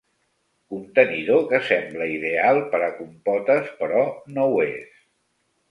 Contenidor que sembla ideal per a compotes però no ho és.